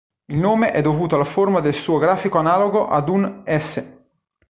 Il nome è dovuto alla forma del suo grafico analogo ad un "S".